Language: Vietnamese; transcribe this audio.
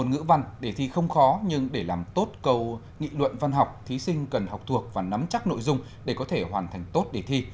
môn ngữ văn để thi không khó nhưng để làm tốt cầu nghị luận văn học thí sinh cần học thuộc và nắm chắc nội dung để có thể hoàn thành tốt đề thi